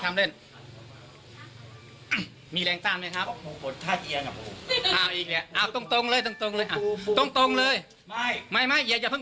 ไม่ลงคุณต้องปล่อยน่ะสู้เลย